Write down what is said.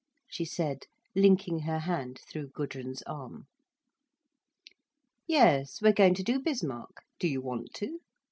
she said, linking her hand through Gudrun's arm. "Yes, we're going to do Bismarck. Do you want to?"